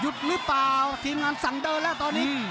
หรือเปล่าทีมงานสั่งเดินแล้วตอนนี้